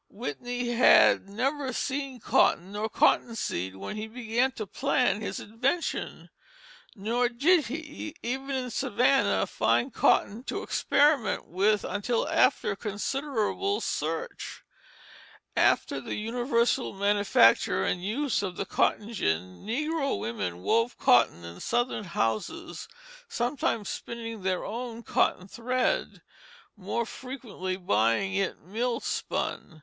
Whitney had never seen cotton nor cotton seed when he began to plan his invention; nor did he, even in Savannah, find cotton to experiment with until after considerable search. After the universal manufacture and use of the cotton gin, negro women wove cotton in Southern houses, sometimes spinning their own cotton thread; more frequently buying it mill spun.